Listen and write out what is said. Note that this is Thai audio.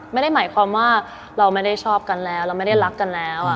ไม่ได้หมายความว่าเราไม่ได้ชอบกันแล้วเราไม่ได้รักกันแล้ว